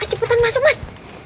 ayo cepetan masuk mas